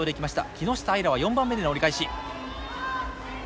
木下あいらは４番目での折り返し。